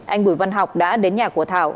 anh bùi văn học đã đến nhà của thảo